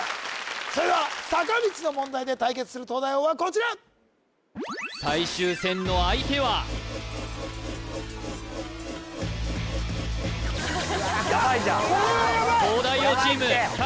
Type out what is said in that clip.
それでは坂道の問題で対決する東大王はこちら最終戦の相手はヤバいじゃん東大王チームヤバいって！